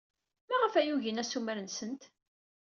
Maɣef ay ugin assumer-nsent?